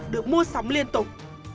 được mua sắm liên tục